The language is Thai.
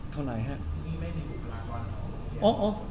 เข้าไหนฮะ